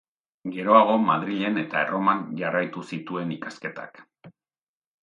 Geroago Madrilen eta Erroman jarraitu zituen ikasketak.